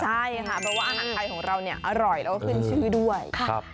ใช่ค่ะเพราะว่าอาหารไทยของเราเนี่ยอร่อยแล้วก็ขึ้นชื่อด้วย